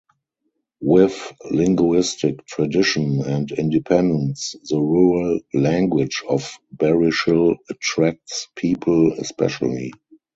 With Linguistic Tradition and Independence the rural language of Barishal attracts people especially.